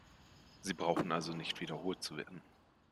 Sie brauchen also nicht wiederholt zu werden.